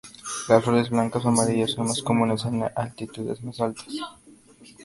Las flores blancas o amarillas son más comunes en altitudes más altas.